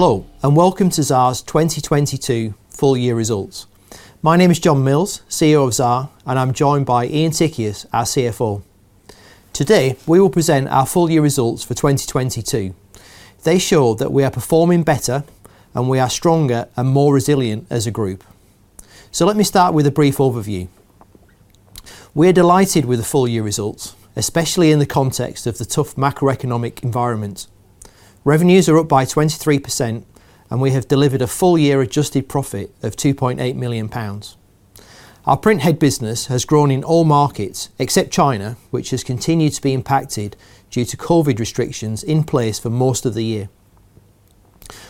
Hello, and welcome to Xaar's 2022 Full Year Results. My name is John Mills, CEO of Xaar, and I'm joined by Ian Tichias, our CFO. Today, we will present our full year results for 2022. They show that we are performing better and we are stronger and more resilient as a group. Let me start with a brief overview. We're delighted with the full year results, especially in the context of the tough macroeconomic environment. Revenues are up by 23%, and we have delivered a full year adjusted profit of 2.8 million pounds. Our Printhead business has grown in all markets, except China, which has continued to be impacted due to COVID restrictions in place for most of the year.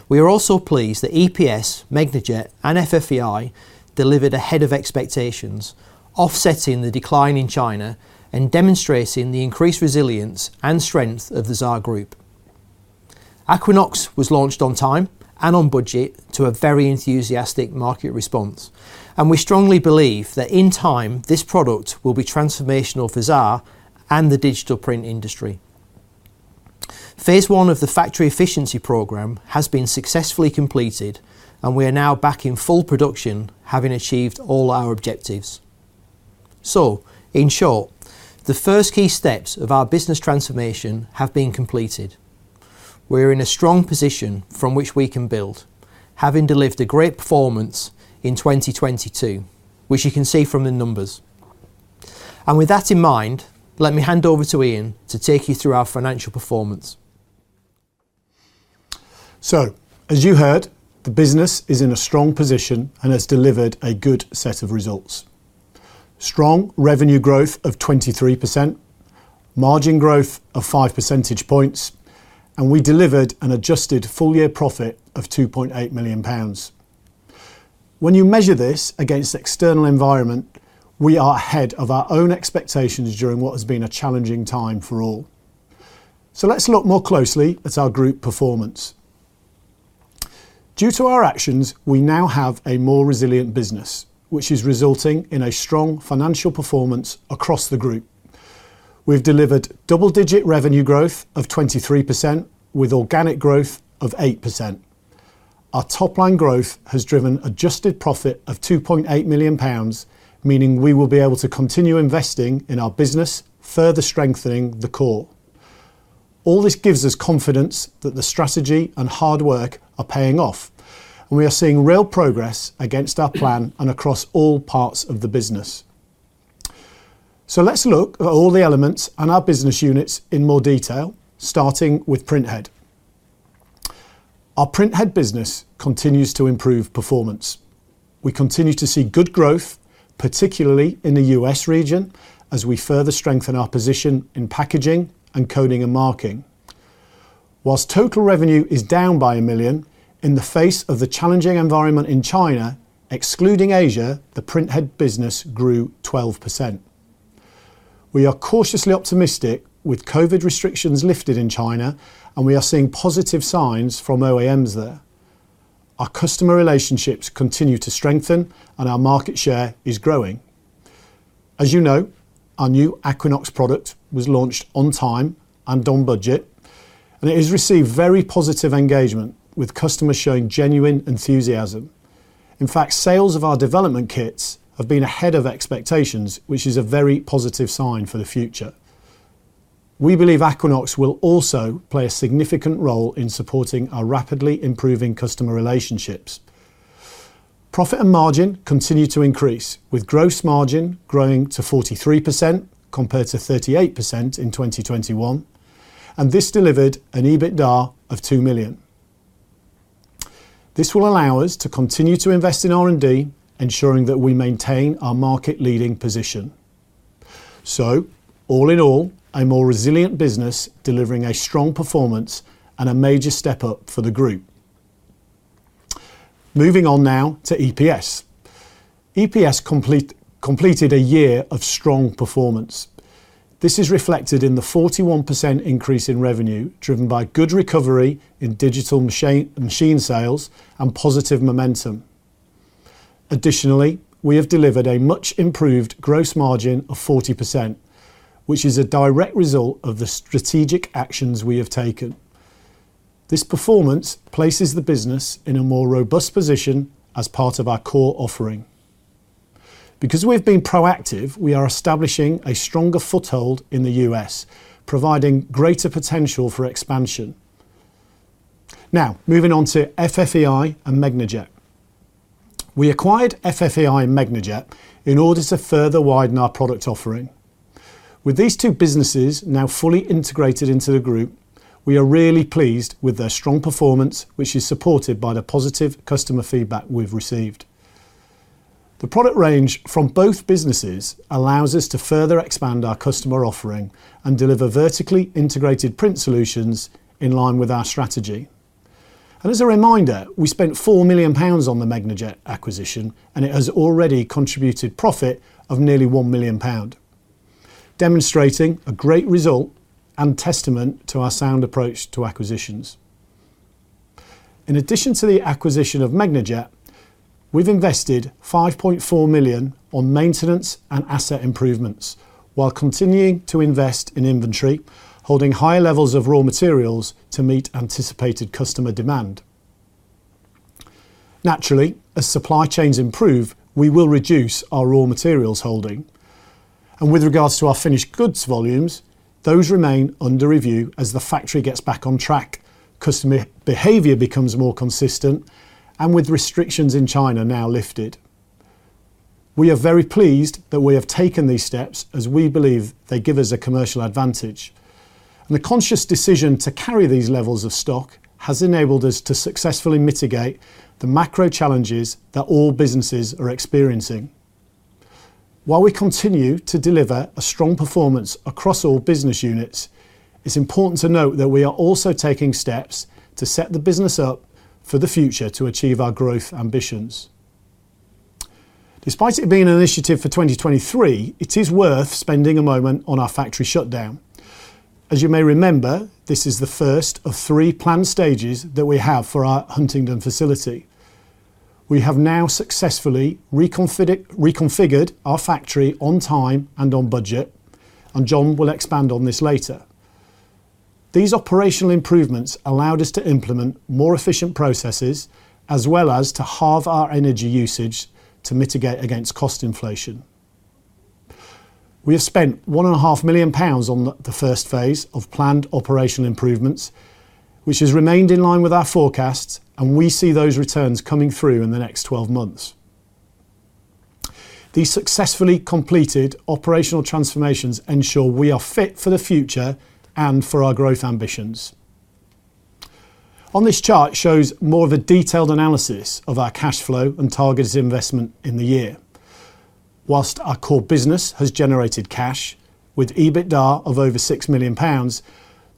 We are also pleased that EPS, Megnajet, and FFEI delivered ahead of expectations, offsetting the decline in China and demonstrating the increased resilience and strength of the Xaar Group. Aquinox was launched on time and on budget to a very enthusiastic market response. We strongly believe that in time, this product will be transformational for Xaar and the digital print industry. Phase one of the factory efficiency program has been successfully completed. We are now back in full production, having achieved all our objectives. In short, the first key steps of our business transformation have been completed. We're in a strong position from which we can build, having delivered a great performance in 2022, which you can see from the numbers. With that in mind, let me hand over to Ian to take you through our financial performance. As you heard, the business is in a strong position and has delivered a good set of results. Strong revenue growth of 23%, margin growth of five percentage points, and we delivered an adjusted full year profit of 2.8 million pounds. When you measure this against external environment, we are ahead of our own expectations during what has been a challenging time for all. Let's look more closely at our Group performance. Due to our actions, we now have a more resilient business, which is resulting in a strong financial performance across the Group. We've delivered double-digit revenue growth of 23% with organic growth of 8%. Our top line growth has driven adjusted profit of 2.8 million pounds, meaning we will be able to continue investing in our business, further strengthening the core. All this gives us confidence that the strategy and hard work are paying off, and we are seeing real progress against our plan and across all parts of the business. Let's look at all the elements and our business units in more detail, starting with Printhead. Our Printhead business continues to improve performance. We continue to see good growth, particularly in the U.S. region as we further strengthen our position in packaging and coding and marking. Whilst total revenue is down by 1 million in the face of the challenging environment in China, excluding Asia, the Printhead business grew 12%. We are cautiously optimistic with COVID restrictions lifted in China, and we are seeing positive signs from OEMs there. Our customer relationships continue to strengthen, and our market share is growing. As you know, our new Aquinox product was launched on time and on budget. It has received very positive engagement with customers showing genuine enthusiasm. In fact, sales of our development kits have been ahead of expectations, which is a very positive sign for the future. We believe Aquinox will also play a significant role in supporting our rapidly improving customer relationships. Profit and margin continue to increase with gross margin growing to 43% compared to 38% in 2021. This delivered an EBITDA of 2 million. This will allow us to continue to invest in R&D, ensuring that we maintain our market leading position. All in all, a more resilient business delivering a strong performance and a major step up for the group. Moving on now to EPS. EPS completed a year of strong performance. This is reflected in the 41% increase in revenue driven by good recovery in digital machine sales and positive momentum. Additionally, we have delivered a much improved gross margin of 40%, which is a direct result of the strategic actions we have taken. This performance places the business in a more robust position as part of our core offering. Because we've been proactive, we are establishing a stronger foothold in the U.S., providing greater potential for expansion. Now, moving on to FFEI and Megnajet. We acquired FFEI and Megnajet in order to further widen our product offering. With these two businesses now fully integrated into the Xaar Group, we are really pleased with their strong performance, which is supported by the positive customer feedback we've received. The product range from both businesses allows us to further expand our customer offering and deliver vertically integrated print solutions in line with our strategy. As a reminder, we spent 4 million pounds on the Megnajet acquisition, and it has already contributed profit of nearly 1 million pound, demonstrating a great result and testament to our sound approach to acquisitions. In addition to the acquisition of Megnajet, we've invested 5.4 million on maintenance and asset improvements while continuing to invest in inventory, holding high levels of raw materials to meet anticipated customer demand. Naturally, as supply chains improve, we will reduce our raw materials holding. With regards to our finished goods volumes, those remain under review as the factory gets back on track, customer behavior becomes more consistent, and with restrictions in China now lifted. We are very pleased that we have taken these steps as we believe they give us a commercial advantage. The conscious decision to carry these levels of stock has enabled us to successfully mitigate the macro challenges that all businesses are experiencing. While we continue to deliver a strong performance across all business units, it's important to note that we are also taking steps to set the business up for the future to achieve our growth ambitions. Despite it being an initiative for 2023, it is worth spending a moment on our factory shutdown. As you may remember, this is the first of three planned stages that we have for our Huntingdon facility. We have now successfully reconfigured our factory on time and on budget, and John will expand on this later. These operational improvements allowed us to implement more efficient processes as well as to halve our energy usage to mitigate against cost inflation. We have spent one and a half million pounds on the first phase of planned operational improvements, which has remained in line with our forecasts, and we see those returns coming through in the next 12 months. These successfully completed operational transformations ensure we are fit for the future and for our growth ambitions. This chart shows more of a detailed analysis of our cash flow and targeted investment in the year. Our core business has generated cash with EBITDA of over 6 million pounds,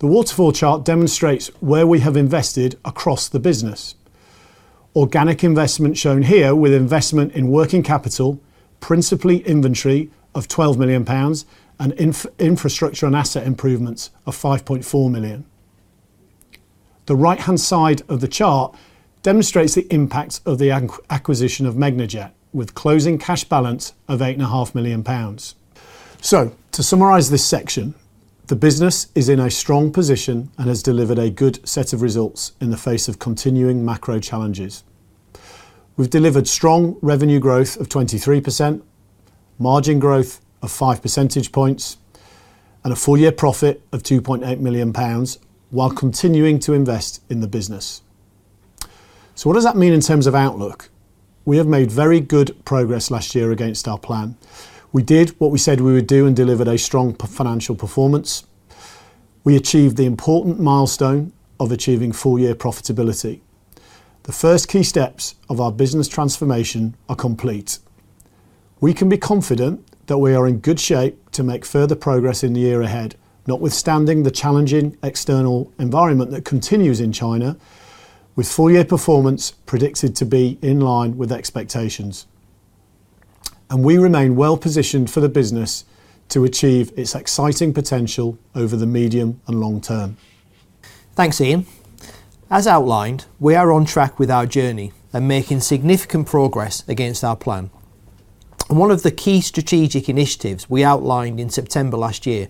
the waterfall chart demonstrates where we have invested across the business. Organic investment shown here with investment in working capital, principally inventory of 12 million pounds and infrastructure and asset improvements of 5.4 million. The right-hand side of the chart demonstrates the impact of the acquisition of Megnajet with closing cash balance of 8.5 million pounds. To summarize this section, the business is in a strong position and has delivered a good set of results in the face of continuing macro challenges. We've delivered strong revenue growth of 23%, margin growth of five percentage points, and a full year profit of 2.8 million pounds while continuing to invest in the business. What does that mean in terms of outlook? We have made very good progress last year against our plan. We did what we said we would do and delivered a strong financial performance. We achieved the important milestone of achieving full year profitability. The first key steps of our business transformation are complete. We can be confident that we are in good shape to make further progress in the year ahead, notwithstanding the challenging external environment that continues in China with full year performance predicted to be in line with expectations. We remain well-positioned for the business to achieve its exciting potential over the medium and long term. Thanks, Ian. As outlined, we are on track with our journey and making significant progress against our plan. One of the key strategic initiatives we outlined in September last year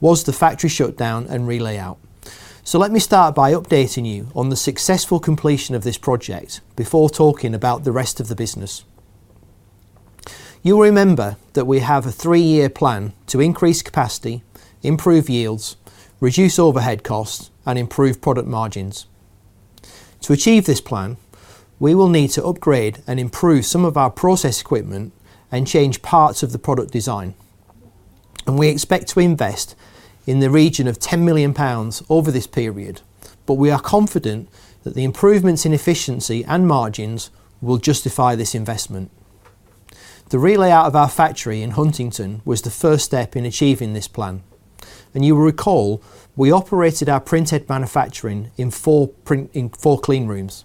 was the factory shutdown and re-layout. Let me start by updating you on the successful completion of this project before talking about the rest of the business. You'll remember that we have a three-year plan to increase capacity, improve yields, reduce overhead costs, and improve product margins. To achieve this plan, we will need to upgrade and improve some of our process equipment and change parts of the product design, and we expect to invest in the region of 10 million pounds over this period. We are confident that the improvements in efficiency and margins will justify this investment. The re-layout of our factory in Huntingdon was the first step in achieving this plan, and you will recall, we operated our Printhead manufacturing in four clean rooms,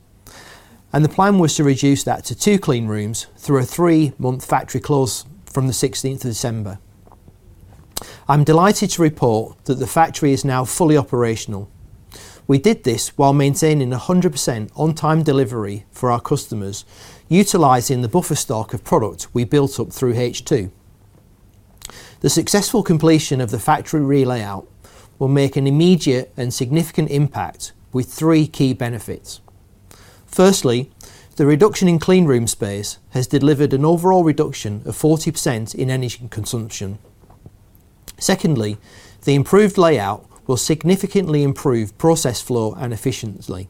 and the plan was to reduce that to two clean rooms through a three-month factory close from the 16th of December. I'm delighted to report that the factory is now fully operational. We did this while maintaining a 100% on time delivery for our customers, utilizing the buffer stock of product we built up through H2. The successful completion of the factory re-layout will make an immediate and significant impact with three key benefits. Firstly, the reduction in clean room space has delivered an overall reduction of 40% in energy consumption. Secondly, the improved layout will significantly improve process flow and efficiently.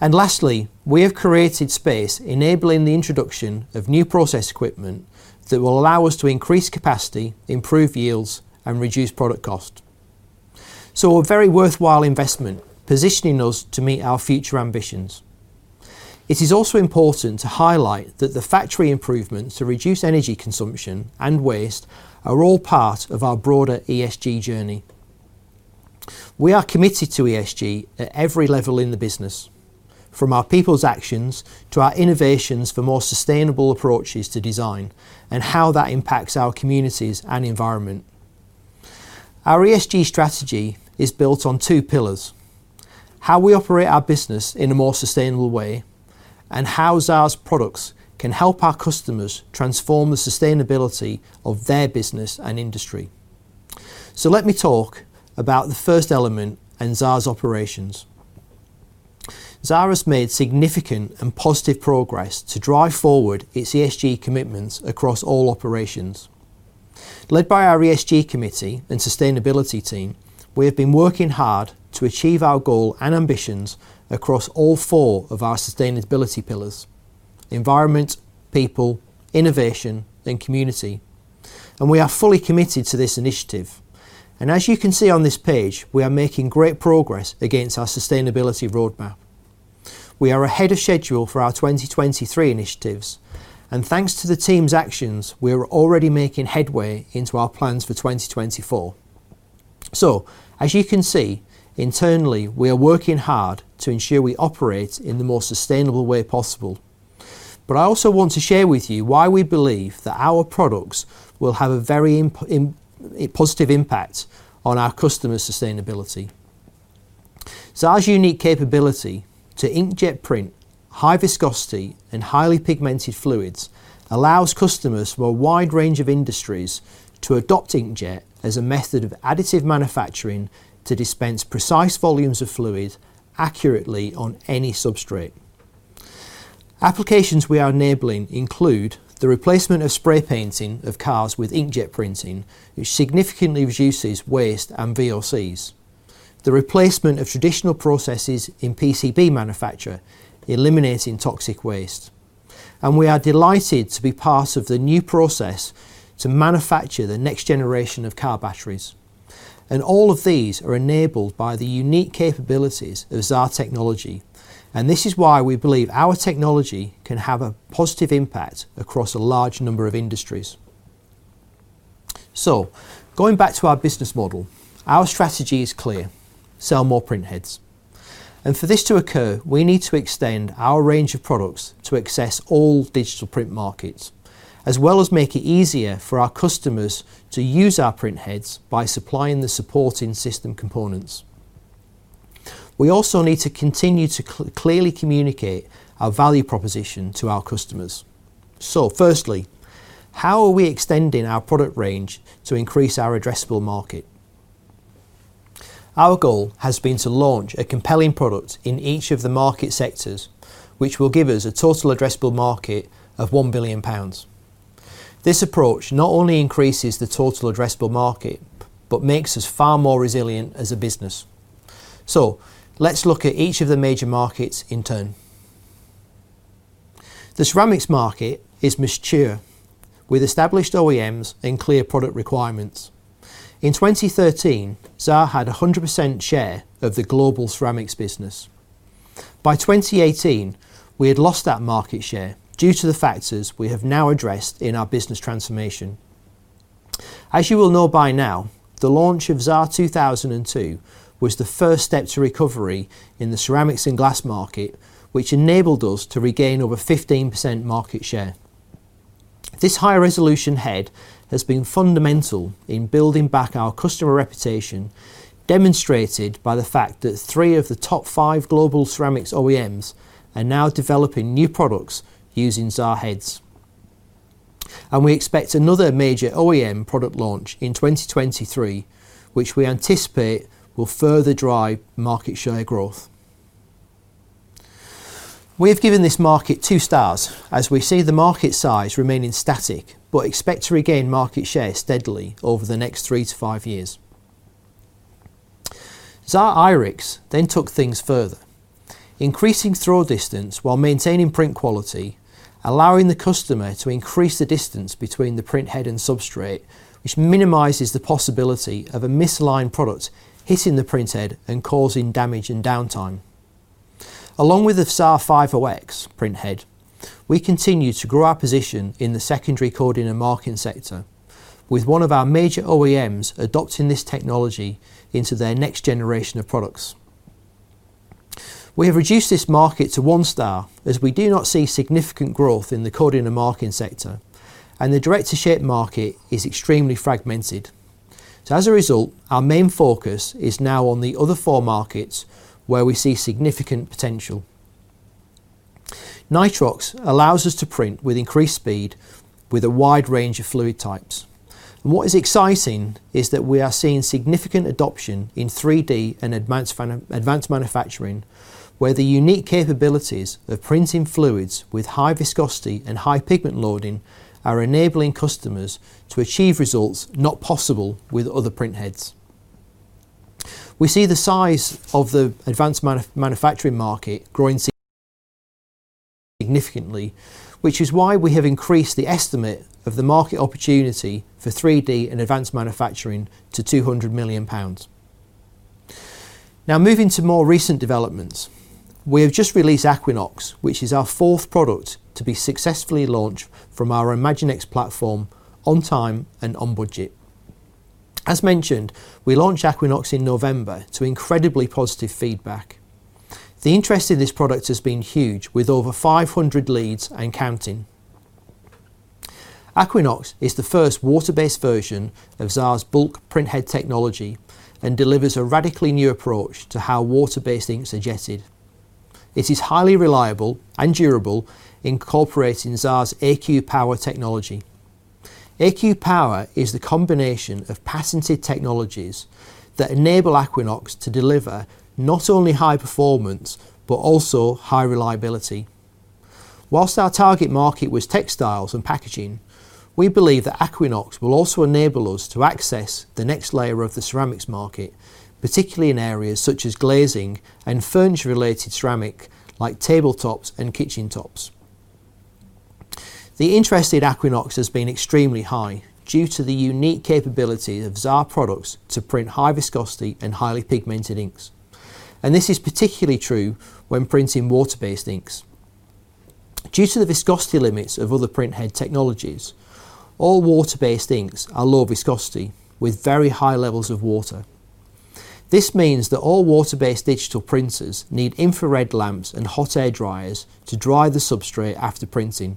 Lastly, we have created space enabling the introduction of new process equipment that will allow us to increase capacity, improve yields, and reduce product cost. A very worthwhile investment positioning us to meet our future ambitions. It is also important to highlight that the factory improvements to reduce energy consumption and waste are all part of our broader ESG journey. We are committed to ESG at every level in the business, from our people's actions to our innovations for more sustainable approaches to design and how that impacts our communities and environment. Our ESG strategy is built on two pillars: how we operate our business in a more sustainable way, and how Xaar's products can help our customers transform the sustainability of their business and industry. Let me talk about the first element in Xaar's operations. Xaar has made significant and positive progress to drive forward its ESG commitments across all operations. Led by our ESG committee and sustainability team, we have been working hard to achieve our goal and ambitions across all four of our sustainability pillars: environment, people, innovation, and community. We are fully committed to this initiative. As you can see on this page, we are making great progress against our sustainability roadmap. We are ahead of schedule for our 2023 initiatives, and thanks to the team's actions, we are already making headway into our plans for 2024. As you can see, internally, we are working hard to ensure we operate in the most sustainable way possible. I also want to share with you why we believe that our products will have a very positive impact on our customers' sustainability. Xaar's unique capability to inkjet print high viscosity and highly pigmented fluids allows customers from a wide range of industries to adopt inkjet as a method of additive manufacturing to dispense precise volumes of fluid accurately on any substrate. Applications we are enabling include the replacement of spray painting of cars with inkjet printing, which significantly reduces waste and VOCs, the replacement of traditional processes in PCB manufacture, eliminating toxic waste. We are delighted to be part of the new process to manufacture the next generation of car batteries. All of these are enabled by the unique capabilities of Xaar technology, and this is why we believe our technology can have a positive impact across a large number of industries. Going back to our business model, our strategy is clear: sell more printheads. For this to occur, we need to extend our range of products to access all digital print markets, as well as make it easier for our customers to use our printheads by supplying the supporting system components. We also need to continue to clearly communicate our value proposition to our customers. Firstly, how are we extending our product range to increase our addressable market? Our goal has been to launch a compelling product in each of the market sectors, which will give us a total addressable market of 1 billion pounds. This approach not only increases the total addressable market but makes us far more resilient as a business. Let's look at each of the major markets in turn. The ceramics market is mature with established OEMs and clear product requirements. In 2013, Xaar had a 100% share of the global ceramics business. By 2018, we had lost that market share due to the factors we have now addressed in our business transformation. As you will know by now, the launch of Xaar 2002 was the first step to recovery in the ceramics and glass market, which enabled us to regain over 15% market share. This high-resolution head has been fundamental in building back our customer reputation, demonstrated by the fact that three of the top five global ceramics OEMs are now developing new products using Xaar heads. We expect another major OEM product launch in 2023, which we anticipate will further drive market share growth. We have given this market two stars as we see the market size remaining static, but expect to regain market share steadily over the next three to five years. Xaar Irix then took things further, increasing throw distance while maintaining print quality, allowing the customer to increase the distance between the printhead and substrate, which minimizes the possibility of a misaligned product hitting the printhead and causing damage and downtime. Along with the Xaar 50x printhead, we continue to grow our position in the secondary coding and marking sector, with one of our major OEMs adopting this technology into their next generation of products. We have reduced this market to one star, as we do not see significant growth in the coding and marking sector, and the direct-to-shape market is extremely fragmented. As a result, our main focus is now on the other four markets where we see significant potential. Nitrox allows us to print with increased speed with a wide range of fluid types. What is exciting is that we are seeing significant adoption in 3D and advanced manufacturing, where the unique capabilities of printing fluids with high viscosity and high pigment loading are enabling customers to achieve results not possible with other printheads. We see the size of the advanced manufacturing market growing significantly, which is why we have increased the estimate of the market opportunity for 3D and advanced manufacturing to 200 million pounds. Now moving to more recent developments, we have just released Aquinox, which is our fourth product to be successfully launched from our ImagineX platform on time and on budget. As mentioned, we launched Aquinox in November to incredibly positive feedback. The interest in this product has been huge, with over 500 leads and counting. Aquinox is the first water-based version of Xaar's bulk printhead technology and delivers a radically new approach to how water-based inks are jetted. It is highly reliable and durable, incorporating Xaar's aQ Power technology. aQ Power is the combination of patented technologies that enable Aquinox to deliver not only high performance, but also high reliability. Whilst our target market was textiles and packaging, we believe that Aquinox will also enable us to access the next layer of the ceramics market, particularly in areas such as glazing and furniture-related ceramic, like tabletops and kitchen tops. The interest in Aquinox has been extremely high due to the unique capability of Xaar products to print high viscosity and highly pigmented inks, and this is particularly true when printing water-based inks. Due to the viscosity limits of other printhead technologies, all water-based inks are low viscosity with very high levels of water. This means that all water-based digital printers need infrared lamps and hot air dryers to dry the substrate after printing.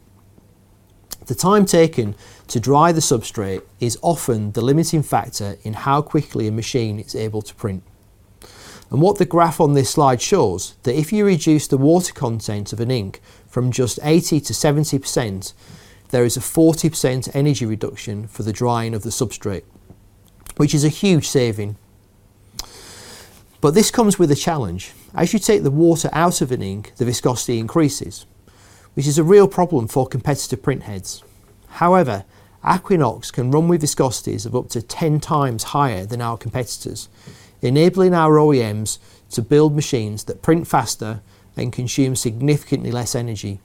The time taken to dry the substrate is often the limiting factor in how quickly a machine is able to print. What the graph on this slide shows, that if you reduce the water content of an ink from just 80%-70%, there is a 40% energy reduction for the drying of the substrate, which is a huge saving. This comes with a challenge. As you take the water out of an ink, the viscosity increases, which is a real problem for competitive printheads. Aquinox can run with viscosities of up to 10 times higher than our competitors, enabling our OEMs to build machines that print faster and consume significantly less energy.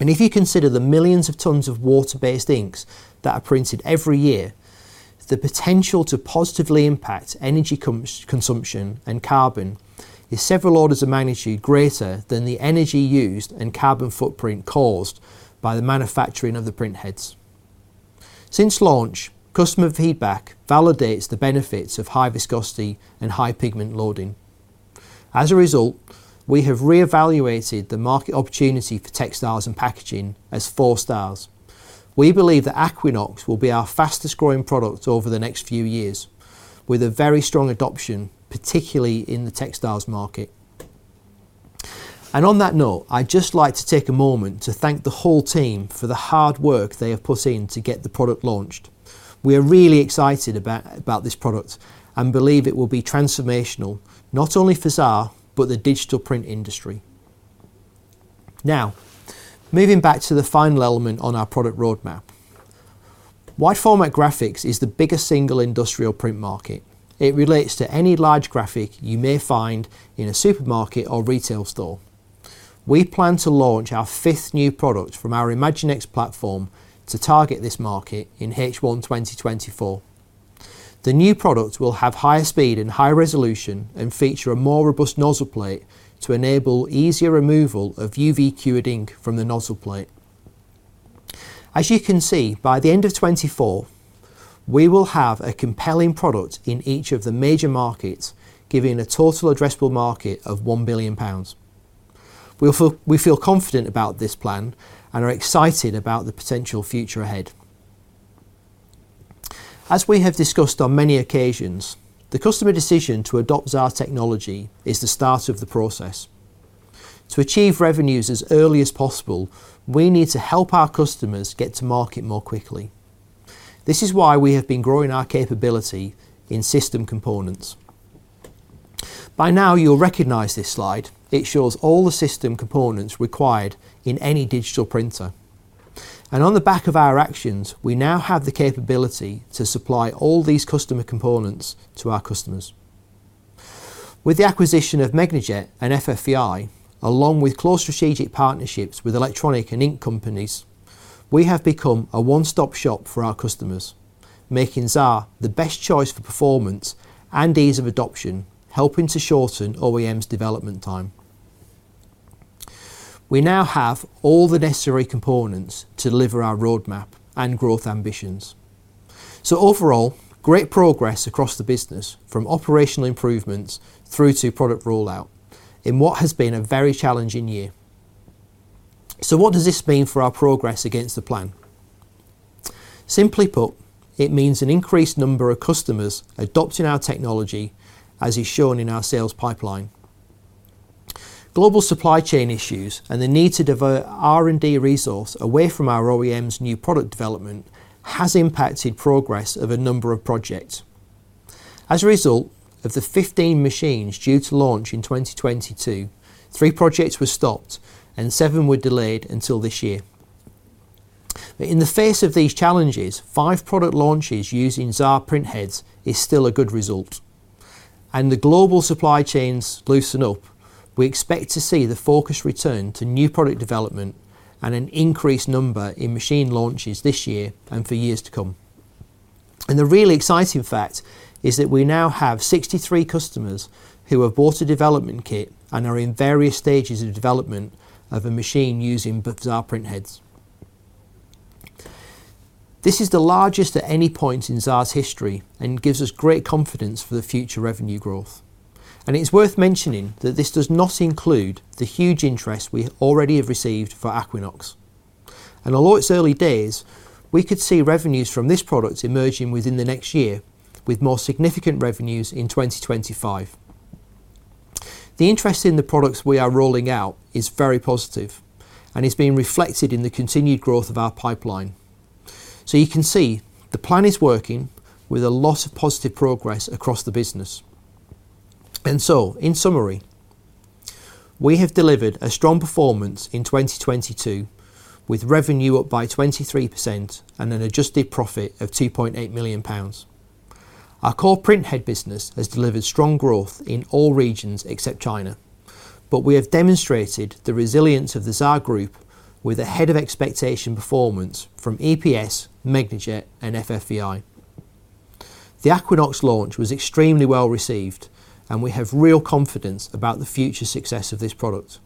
If you consider the millions of tons of water-based inks that are printed every year, the potential to positively impact energy consumption and carbon is several orders of magnitude greater than the energy used and carbon footprint caused by the manufacturing of the printheads. Since launch, customer feedback validates the benefits of high viscosity and high pigment loading. As a result, we have reevaluated the market opportunity for textiles and packaging as four stars. We believe that Aquinox will be our fastest-growing product over the next few years, with a very strong adoption, particularly in the textiles market. On that note, I'd just like to take a moment to thank the whole team for the hard work they have put in to get the product launched. We are really excited about this product and believe it will be transformational, not only for Xaar, but the digital print industry. Moving back to the final element on our product roadmap. Wide format graphics is the biggest single industrial print market. It relates to any large graphic you may find in a supermarket or retail store. We plan to launch our fifth new product from our ImagineX platform to target this market in H1 2024. The new product will have higher speed and high resolution and feature a more robust nozzle plate to enable easier removal of UV-cured ink from the nozzle plate. As you can see, by the end of 2024, we will have a compelling product in each of the major markets, giving a total addressable market of 1 billion pounds. We feel confident about this plan and are excited about the potential future ahead. As we have discussed on many occasions, the customer decision to adopt Xaar technology is the start of the process. To achieve revenues as early as possible, we need to help our customers get to market more quickly. This is why we have been growing our capability in system components. By now, you'll recognize this slide. It shows all the system components required in any digital printer. On the back of our actions, we now have the capability to supply all these customer components to our customers. With the acquisition of Megnajet and FFEI, along with close strategic partnerships with electronic and ink companies, we have become a one-stop shop for our customers, making Xaar the best choice for performance and ease of adoption, helping to shorten OEM's development time. We now have all the necessary components to deliver our roadmap and growth ambitions. Overall, great progress across the business, from operational improvements through to product rollout, in what has been a very challenging year. What does this mean for our progress against the plan? Simply put, it means an increased number of customers adopting our technology, as is shown in our sales pipeline. Global supply chain issues and the need to divert R&D resource away from our OEM's new product development has impacted progress of a number of projects. As a result, of the 15 machines due to launch in 2022, three projects were stopped and seven were delayed until this year. In the face of these challenges, five product launches using Xaar printheads is still a good result. The global supply chains loosen up, we expect to see the focus return to new product development and an increased number in machine launches this year and for years to come. The really exciting fact is that we now have 63 customers who have bought a development kit and are in various stages of development of a machine using the Xaar printheads. This is the largest at any point in Xaar's history, and gives us great confidence for the future revenue growth. It's worth mentioning that this does not include the huge interest we already have received for Aquinox. Although it's early days, we could see revenues from this product emerging within the next year, with more significant revenues in 2025. The interest in the products we are rolling out is very positive, and it's being reflected in the continued growth of our pipeline. You can see the plan is working with a lot of positive progress across the business. In summary, we have delivered a strong performance in 2022, with revenue up by 23% and an adjusted profit of 2.8 million pounds. Our core Printhead business has delivered strong growth in all regions except China, but we have demonstrated the resilience of the Xaar Group with ahead-of-expectation performance from EPS, Megnajet, and FFEI. The Aquinox launch was extremely well-received, and we have real confidence about the future success of this product.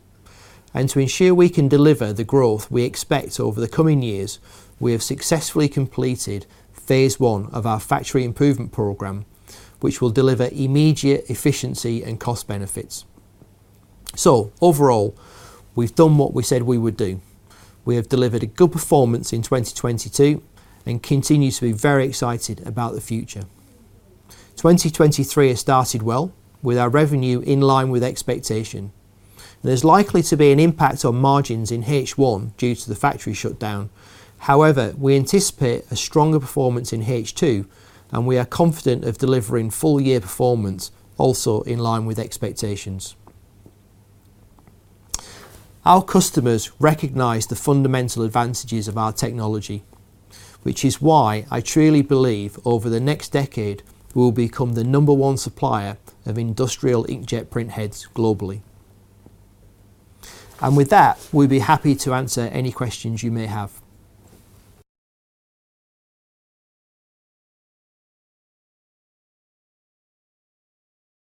To ensure we can deliver the growth we expect over the coming years, we have successfully completed phase one of our factory improvement program, which will deliver immediate efficiency and cost benefits. Overall, we've done what we said we would do. We have delivered a good performance in 2022 and continue to be very excited about the future. 2023 has started well, with our revenue in line with expectation. There's likely to be an impact on margins in H1 due to the factory shutdown. However, we anticipate a stronger performance in H2, and we are confident of delivering full year performance also in line with expectations. Our customers recognize the fundamental advantages of our technology, which is why I truly believe over the next decade we will become the number-one supplier of industrial inkjet printheads globally. With that, we'd be happy to answer any questions you may have.